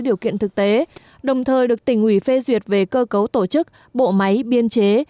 điều kiện thực tế đồng thời được tỉnh ủy phê duyệt về cơ cấu tổ chức bộ máy biên chế